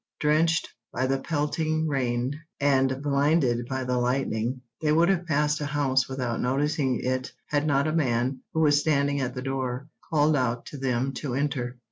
Drenched by the pelting rain, and blinded by the lightning, they would have passed a house without noticing it had not a man, who was standing at the door, called out to them to enter.